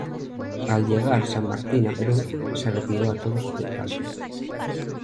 Al llegar San Martín a Perú se retiró a todos de campo.